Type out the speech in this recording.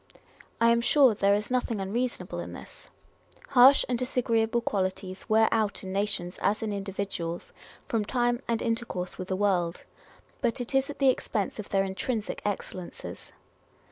I am sure there is nothing reasonable in this. Harsh and dis agreeable qualities wear out in nations, as in individuals, from time and intercourse with the world ; but it is at the expense of their intrinsic excellences.